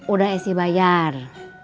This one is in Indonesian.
udah esi bayar